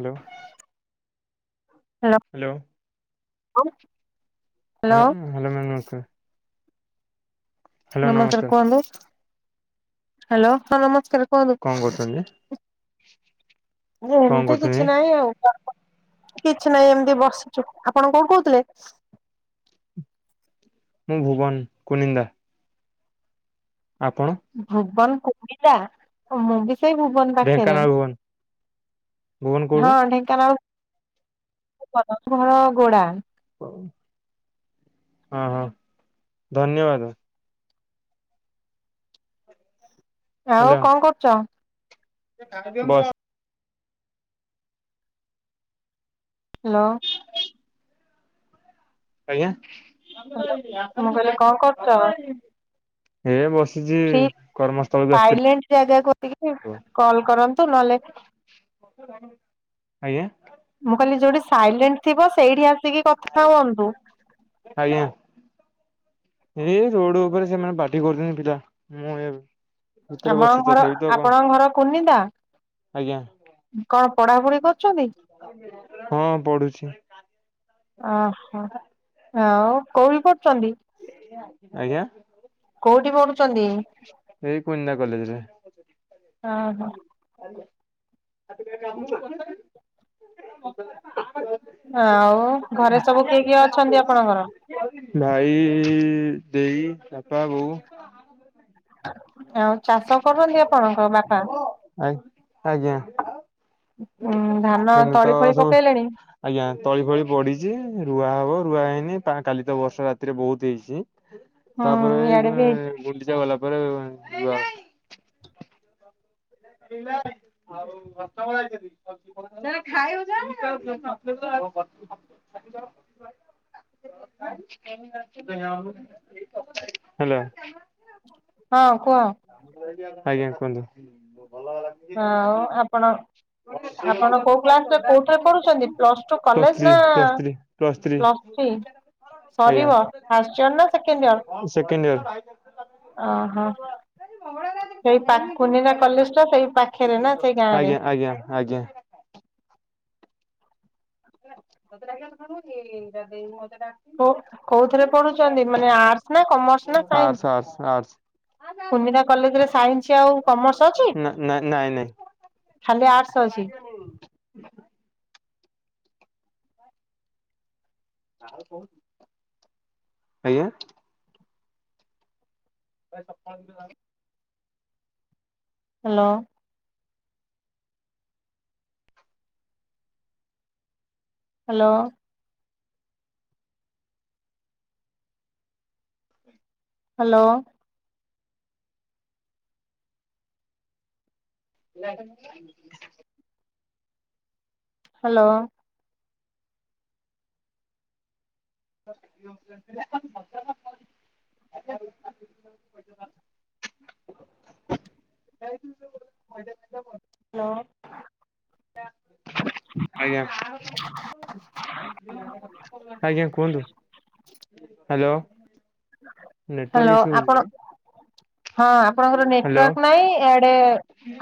Hello, hello. [inaudible] Hello ହଁ hello ma'am ନମସ୍କାର। ନମସ୍କାର କୁହନ୍ତୁ ହ୍ୟାଲୋ ହଁ ନମସ୍କାର କୁହନ୍ତୁ। କଣ କରୁଛନ୍ତି? [inaudible] କଣ ଏମିତି କରୁଛନ୍ତି? କିଛି ନାହିଁ ଆଉ। କିଛି ନାହିଁ ଏମିତି ବସିଛୁ ଆପଣ କଣ କହୁଥିଲେ? ମୁଁ ଭୁବନ୍ କୁନିନ୍ଦା। ଆପଣ ଭୁବନ କୁନିନ୍ଦା ମୁଁ ବି ସେଇ ଭୁବନ ପାଖରେ, ଢେଙ୍କାନାଳ ଭୁବନ ଭୁବନ ହଁ କୋଉଠୁ? ଢେଙ୍କାନାଳ। [inaudible] ଘର ଗୋଡା। ହଉ ହଁ-ହଁ ଧନ୍ୟବାଦ। ଆଉ ହ୍ୟାଲୋ କଣ କରୁଚ? ବସ୍। ହ୍ୟାଲୋ। ଆଜ୍ଞା, ହ୍ୟାଲୋ ମୁଁ କହିଲି କଣ କରୁଛ ହେ ବସ୍ ଛି ଥାଇଲାଣ୍ଡ ଜାଗା କ ଟିକେ କଲ୍ କରନ୍ତୁ ନଏଲେ ଆଜ୍ଞା? ମୁଁ କହିଲି ଯୋଉଠି ସାଇଲେଣ୍ଟ ଥିବ ସେଇଠି ଆସିକି କଥା ହୁଅନ୍ତୁ। ଆଜ୍ଞା। ଏଇ ରୋଡ୍ ଉପରେ ସେମାନେ ପାଟି କରୁଛନ୍ତି ପିଲା ମୁଁ ଏବେ ଆମ ଘର ଆପଣଙ୍କ ଘର କୁନିନ୍ଦା? ଆଜ୍ଞା କଣ ପଢାପଢି କରୁ ହଁ ପଢୁଛି। ଓହୋଃ ଆଉ କୋଉଠି ପଢୁଛନ୍ତି? ଆଜ୍ଞା? କୋଉଠି ପଢୁଛନ୍ତି? ଏଇ କୁଇନ୍ଦା କଲେଜରେ। ଆ୍ା ଓହୋ [unintelligible] ଆ କେ ଆଉ ଘରେ ସବୁ କିଏ କିଏ ଅଛନ୍ତି ଆପଣଙ୍କର? [inaudible] ଭାଇ ଇ ଦେଈ, ବାପା ବୋଉ। ଆଉ ଚାଷ କରନ୍ତି ଆପଣଙ୍କ ବାପା? ଆ ଆଜ୍ଞା। ଉଁ ଧାନ ଏଇନେ ତଳି ତ ଫଳି ସବୁ ପକେଇଲେଣି? ଆଜ୍ଞା, ତଳି ଫଳି ପଢିଛି ରୁଆ ହବ ରୁଆ ହେଇନି ପାନ୍ କାଲି ତ ବର୍ଷା ରାତିରେ ବହୁତ ହେଇଛି। ହୁଁ ତାପରେ ଏଇ ଇଆଡେ ବି ଗୁଣ୍ଡିଚା ଗଲା ପରେ ଯିବା। ଏ [unintelligible] ଉ ଖାଇ [unintelligible] [unintelligible] କେତେଜଣଙ୍କୁ, ହେଲା? ହଁ କୁହ ଆଜ୍ଞା କୁହନ୍ତୁ। ହଁ ଆପଣ ଆପଣ କୋଉ କ୍ଲାସରେ କୋଉଥିରେ ପଢୁଛନ୍ତି, plus two plus college three ନା plus three plus three. Plus three, ଆଜ୍ଞା ସରିବା, ଫାର୍ଷ୍ଟ ଇଅର ନା ସେକେଣ୍ଡ ଇଅର? Second year. ଓହୋ ସେଇ ପାକୁନି ନା କଲେଜା ସେଇ ପାଖରେ ନା ସେଇ ଗାଁରେ? ଆଜ୍ଞା ଆଜ୍ଞା ଆଜ୍ଞା ହେଲା ତତେ ଡାକର [unintelligible] କୋଉ-କୋଉଥିରେ ପଢୁଛନ୍ତି, ମାନେ ଆର୍ଟସ ନା କମର୍ସ ନା ସାଇନ୍ସ? Arts arts arts. କୁନିନ୍ଦା କଲେଜ ରେ ସାଇନ୍ସ ଆଉ କମର୍ସ ଅଛି ନା ନ ନାଇଁ ନାଇଁ । ଖାଲି ଆଟ୍ସ ଅଛି? ଆଜ୍ଞା? ବ ସପ [unintelligible] ହ୍ୟାଲୋ? ହ୍ୟାଲୋ। ହ୍ୟାଲୋ। ନା [unintelligible] ହ୍ୟାଲୋ? [unintelligible] କାଇୁା [inaudible] ହ୍ୟାଲୋ? ଆଜ୍ଞା [unintelligible] ଆଜ୍ଞା କୁହନ୍ତୁ, ହ୍ୟାଲୋ? ନେଟୱାର୍କ ହ୍ୟାଲୋ ଇସୁ ହଉଛି ଆପଣ କି ହଁ ଆପଣଙ୍କର ହ୍ୟାଲୋ ନେଟୱର୍କ ନାହିଁ ଟି ଆ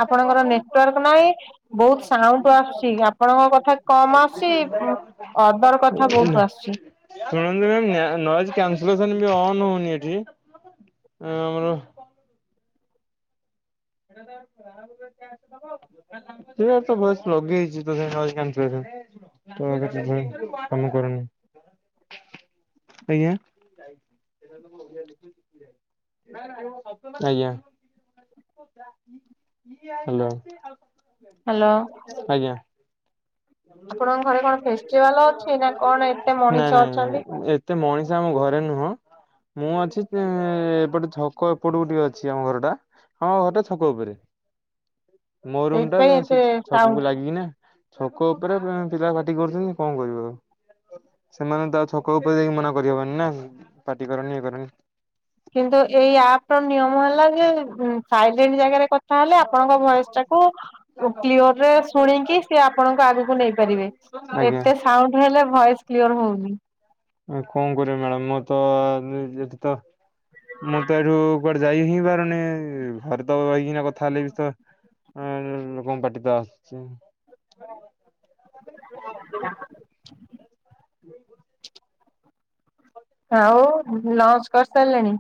ଆପଣଙ୍କର ନେଟୱାର୍କ ନାହିଁ ବହୁତ ସାଉଣ୍ଡ ଆସୁଛି ଆପଣଙ୍କ କଥା କମ ଆଶୁଛି ଉଁ ଶୁଣନ୍ତୁ ନଏଯ କ୍ୟାନସଲେସନ ବି ଅନ ହଉନି ଏଠି। ହ ଆମର ଭଏସ ଲଗେଇଛି ତଥାପି ନଏଜ କାନ୍ସେଲେସନ । ନଏଜ କାନ୍ସିଲେସନ କାମ କରୁନି, ଆଜ୍ଞା? ଆଜ୍ଞା। ହ୍ୟାଲୋ, ହ୍ୟାଲୋ ଆଜ୍ଞା। ଆପଣଙ୍କ ଘରେ କଣ ଫେଷ୍ଟିଭାଲ ଅଛି ନା କଣ ଏତେ ମଣିଷ ନାଇଁ ନାଇଁ ଅଛନ୍ତି ନାଇଁ ଏତେ ମଣିଷ ଆମ ଘରେ ନୁହଁ, ମୁଁ ଅଛି ଏପଟେ ଛକ ଏପଟକୁ ଟିକେ ଅଛି, ଆମ ଘର ଟା ଆମ ଘରଟା ଛକ ଉପରେ। ମୋ ରୁମ୍ ଟା ସେଇଥିପାଇଁ ଯାଇଁ ଏତେ ସାଉଣ୍ଡ ଛକକୁ ଲାଗିକି ନା। ଛକ ଉପରେ ପିଲା ପାଟି କରୁଛନ୍ତି କଣ କରିବ ଆଉ। ସେମାନଙ୍କୁ ତ ଆଉ ଛକ ଉପରେ ଯାଇକି ମନା କରିହବନି ନା ପାଟି କରନି ଇଏ କରନି। କିନ୍ତୁ ଏଇ ଆପ୍ ର ନିୟମ ହେଲା ଜେ, ସାଇଲେଣ୍ଟ ଯାଗାରେ କଥା ହେଲେ ଆପଣଙ୍କ ଭଏସ ଟା ତାକୁ କ୍ଲିଅରରେ ଶୁଣିକି ସେ ଆପ୍ ଆପଣଙ୍କ ଆଗକୁ ନେଇ ପାରିବେ, ଆଜ୍ଞା। ଏତେ ସାଉଣ୍ଡ ହେଲେ ଭଏସ୍ କ୍ଲିୟର ହଉନି। କଣ କରିବି ମ୍ୟାଡାମ ମୁଁ ତ ଯେତେ ତ ମୁଁ ତ ଏଠୁ କୁଆଡେ ଯାଇଁ ହିଁ ପାରୁନି, ଘରେ ତ ରହିକିନା କଥା ହେଲେ କିଛି ତ ଆ ଲୋକଙ୍କ ପାଟିିତ ଆସୁଛି। ଆଉ ଲଞ୍ଚ କରିସାରିଲେଣି?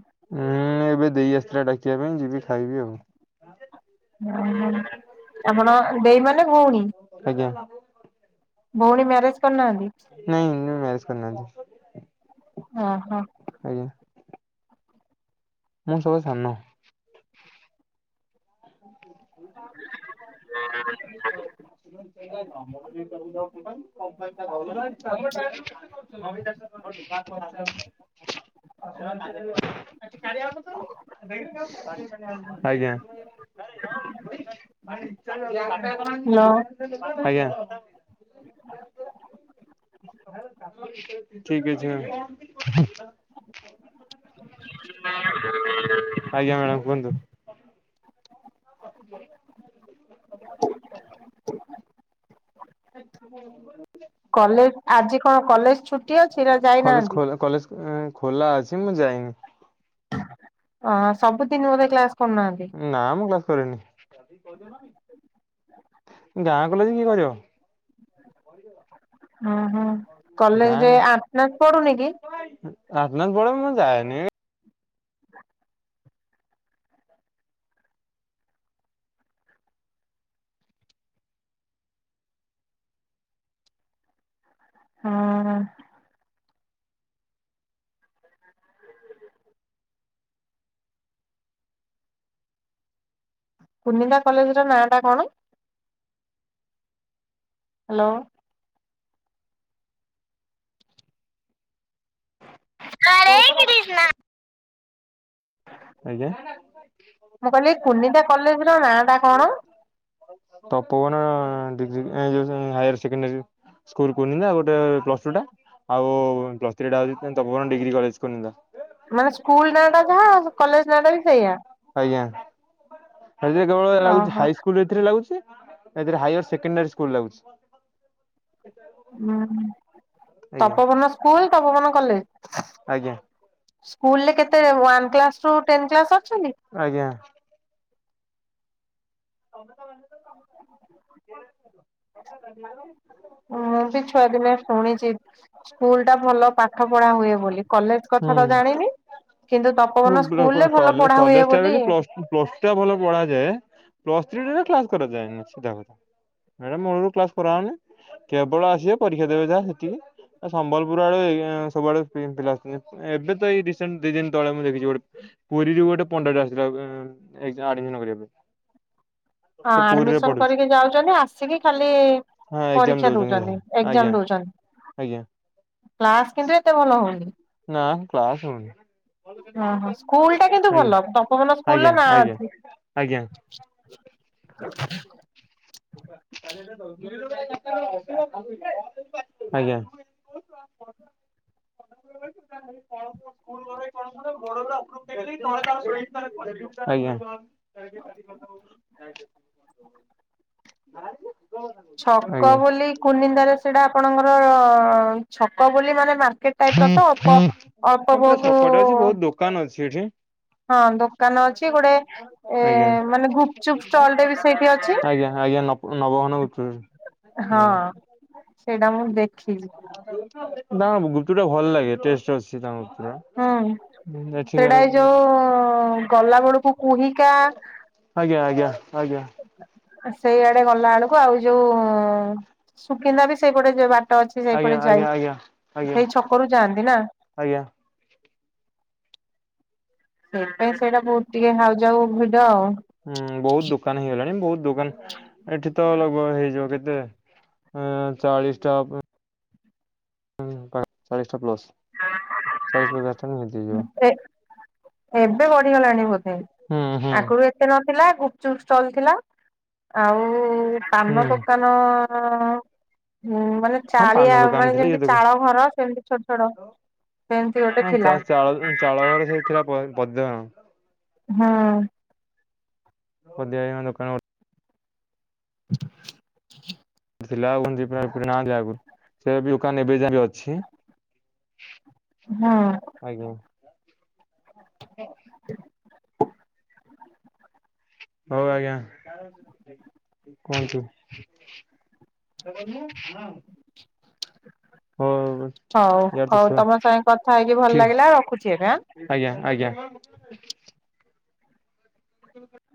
ହୁଁ ଏବେ ଦେଇ ଆସିଥିଲା ଡାକିବା ପାଇଁ, ଯିବି ଖାଇବି ଆଉ। ହୁଁ ହୁଁ ଆପଣ ଦେଇ ମାନେ ଭଉଣୀ ଆଜ୍ଞା ଭଉଣୀ ମ୍ୟାରେଜ କରିନାହାନ୍ତି? [inaudible] ଓ ହୋ ଆଞ୍ଜା ମୁଁ ସଦ୍ଭା ସାନ [inaudible] [inaudible] [unintelligible] [unintelligible] [inaudible] ଆଜ୍ଞା ଆଞ୍ଜା ଲ [inaudible] ଠିକ ଅଛି ହଁ ଆଞ୍ଜା ମ୍ୟାଡମ କୁହନ୍ତୁ । [inaudible] [inaudible] କଲେଜ ଆଜି କଣ କଲେଜ ଛୁଟି ଅଛି ନାଁ ଜାଇନାହାନ୍ତି । ଖୋଲାଅଛି ମୁଁ ଜାଇନ । ଅ ସବୁଦିନ ବୋଥେ କ୍ଳାସ [unintelligible] [inaudible] ହଁ ହୁଁ ଗାଁ କଲେଜରେ ଆଟ୍ ନାସ୍ ପଢୁନି କି? ଆଟ୍ ନାସ୍ ପଡେ ମୁଁ ଯାଏନି। ହଁ କୁନିଦା କଲେଜର ନାଁ ଟା କଣ? ହ୍ୟାଲୋ [inaudible] [inaudible] ଆଜ୍ଞା ମୁଁ କହିଲି କୁନିତା କଲେଜର ନାଁ ଟା କଣ? ହାଇଅର ସେକେଣ୍ଡାରୀ ସ୍କୁଲ କୁନିଜା ଗେ। ଟେ ପ୍ଳସ ଟୁ ଟା । ଆଉ ପ୍ଲସଥ୍ରୀ ଟା ହଉଚି ତପୋବନ ଡିଗ୍ରୀ କଲେଜ କୁନିଦା। ମାନେ ସ୍କୁଲ ନାଁଟା ଯାହା କଲେଜ ନାଁଟା ବି ସେଇଆା ସେ କେବଳ ଲାଗୁଛି ଓହୋ ହାଇସ୍କୁଲରେ ଏଥିରେ ଲାଗୁଛି ଏଥିରେ ହାଇଅର ସେକେଣ୍ଡାରୀ ସ୍କୁଲ ଲାଗୁଛି । ହୁଁ ତପୋବନ ସ୍କୁଲ ତପୋବନ କଲେଜ ଆଜ୍ଞା ସ୍କୁଲ ରେ କେତେ ୱାନ କ୍ଲାସ ରୁ ଟେନ କ୍ଲାସ ଅଛନ୍ତି? ଆଜ୍ଞା ତମେ ତ [inaudible] ମୁଁ ବି ଛୁଆଦିନେ ଶୁଣିଛି ସ୍କୁଲ ଟା ଭଲ ପାଠ ପଢା ହୁଏ ବୋଲି, କଲେଜ କଥା ତ ଜାଣିନି କିନ୍ତୁ ତପୋବନ ସ୍କୁଲରେ ଭଲ ପଢା କଲେଜ ହୁଏ ଟା ବୋଲି ହଁ ପ୍ଲସ ଟୁ ଟା ଭଲ ପଢାଯାଏ । ପ୍ଲସ ଥ୍ରୀରେ କ୍ଲାସ କରାଯାଏ ନି ସିଧା କଥା ମୋର କ୍ଲାସ କରାହନି କେବଳ ଆସିବେ ପରୀକ୍ଷା ଦେବେ ଯାହା ସେତିକି ସମ୍ବଲପୁର ଆଡୁ ସବୁଆଡେ ପିଲା ଆସିଛନ୍ତି ଏବେ ତ ଏଇ ରିସେଣ୍ଟ ଦି ଦିନ ତଳେ ମୁଁ ଦେଖିଛି ଗୋଟେ ପୁରୀରୁ ଗୋଟେ ପଣ୍ଡା ତା ଆସିଥିଲା ଏକଦାମ ଆଡମିସନ କରିବା ପାଇଁ । ହଁ ଆଡମିସନ କରିକି ଯାଉଛନ୍ତି ଆସିକି ଖାଲି ହଁ ଏକ୍ଜାମ ପରୀକ୍ଷା ଦଉଛନ୍ତି ଯାହା ଏଜାମ ଆଜ୍ଞା ଦଉଛନ୍ତି । ଆଜ୍ଞା। କ୍ଲାସ କିନ୍ତୁ ଏତେ ଭଲ ହଉନି। ନା କ୍ଲାସ ହଉନି। ଅ ହଁ ସ୍କୁଲଟା କିନ୍ତୁ ଆଜ୍ଞା ଭଲ। ତପବୋନ ସ୍କୁଲ ଆଜ୍ଞା ର ନାଁ ଆଜ୍ଞା ଅଛି। ଆଜ୍ଞା। [unintelligible] [unintelligible] [inaudible] ଆଜ୍ଞା। [inaudible] [unintelligible] ଆଜ୍ଞା। [unintelligible] ଛକ ବୋଲି କୁନିନ୍ଦାରେ ସେଟା ଆପଣଙ୍କର ଛକ ମାନେ ମାର୍କେଟ ଟାଇପ ର ତ ଅଳ୍ପ ଅଳ୍ପ ହଁ ପୁରା ଛକଟେ ଅଛି ବହୁତ ଦୋକାନ ଅଛି ଏଠି। ହଁ ଦୋକାନ ଅଛି ଗୋଟେ ଏ ଆଜ୍ଞା। ମାନେ, ଗୁପଚୁପ ଷ୍ଟଲଟେ ବି ସେଇଠି ଅଛି। ଆଜ୍ଞା ଆଜ୍ଞା ନବ ନବଘନ। [unintelligible] ହଁ ସେଇଟା ମୁଁ ଦେଖିଛି। ତାଙ୍କ ଗୁପଚୁପ ଟା ଭଲ ଲାଗେ ଟେଷ୍ଟ ଅଛି ତାଙ୍କ ର। ହୁଁ ସେଟା ଏଠିକାର ଏଇ ଯୋଉ ଗଲା ବେଳକୁ କୁହିକା ଆଜ୍ଞା ଆଜ୍ଞା ଆଜ୍ଞା। ସେଇଆଡେ ଗଲା ବେଳକୁ ଆଉ ଯୋଉ ସୁକିନ୍ଦା ବି ସେଇପଟେ ଯେ ଅଛି ସେଇପଟ ଆଜ୍ଞା ଆଜ୍ଞା ଯାଇ ଆଜ୍ଞା ଆଜ୍ଞା ସେଇ ଛକରୁ ଯାଆନ୍ତି ନା। ଆଜ୍ଞା। ସେଇଥିପାଇଁ ସେଇଟା ବହୁତ ଟିକେ ହାଉ ଯାଉ ଭିଡ ଆଉ। ହୁଁ ବହୁତ ଦୁକାନ ହେଇଗଲାଣି। ବହୁତ ଦୋକାନ ଏଠି ତ ଲଗଭଗ ହେଇଯିବ କେତେ ଏ ଚାଳିଶ ଟା ଉପ [unintelligible] ଚାଳିଶଟା ପ୍ଲସ। ହେଇଯିବ [unintelligible] ଏବେ ବଢିଗଲାଣି ବୋଧେ ହୁଁ ହୁଁ ଆଗରୁ ଏତେ ନ ଥିଲା ଗୁପଚୁପ ଷ୍ଟଲ ଥିଲା ଆଉ ପାନ ହୁଁ ଦୋକାନ ହଁଁ ମାନେ ହଁ ଚାଳିଆ ପାନ ଦୋକାନ ମାନେ ଥିଲା ଇଏ ଯେମିତି ଦୋକାନ ଚାଳ ଘର ସେମତି ଛୋଟ ଛୋଟ ସେମିତି ଗୋଟେ ହଁ ଚା ଥିଲା। ଚାଳ ଚାଳ ଘର ସେ ଥିଲା। [unintelligible] ହଁ। ପଦିଆ ଭାଇ ଙ୍କ ଦୋକାନ [inaudible] ଗୋଟେ ଥିଲା। [unintelligible] ହୁଁ ଆଜ୍ଞା। [inaudible] ହଉ ଆଜ୍ଞା କୁହନ୍ତୁ। [unintelligible] ହଉ ହଉ ଇଆଡେ ତ ହଉ ସ ତମ ସାଙ୍ଗେ କଥା ହେଇକି ଭଲ ଠି ଲାଗିଲା ରଖୁଛି ଏବେ ଆଁ। ଆଜ୍ଞା [inaudible] [inaudible]